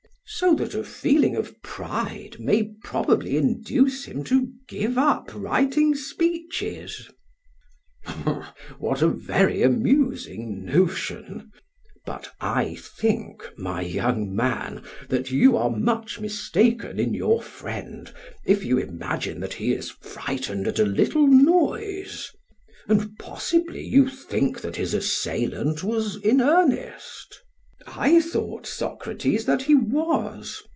So that a feeling of pride may probably induce him to give up writing speeches. SOCRATES: What a very amusing notion! But I think, my young man, that you are much mistaken in your friend if you imagine that he is frightened at a little noise; and, possibly, you think that his assailant was in earnest? PHAEDRUS: I thought, Socrates, that he was.